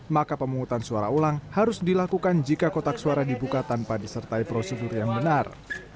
maka pemungutan suara ulang harus dilakukan jika kotak suara dibuka tanpa disertai prosedur yang benar